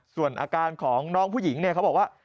ส่วนอาการของน้องผู้หญิงเนี่ยเขาบอกว่า